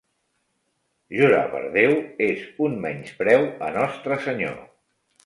Jurar per Déu és un menyspreu a Nostre Senyor.